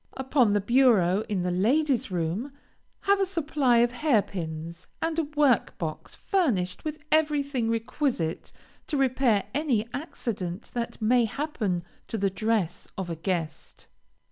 Upon the bureau in the ladies' room, have a supply of hair pins, and a workbox furnished with everything requisite to repair any accident that may happen to the dress of a guest.